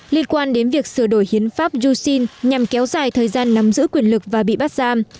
liên quan đến việc sửa đổi hiến pháp yushin nhằm kéo dài thời gian nắm giữ quyền lực và bị bắt giam